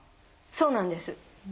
そうなんです。